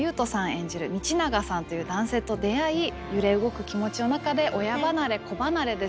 演じる道永さんという男性と出会い揺れ動く気持ちの中で親離れ子離れですね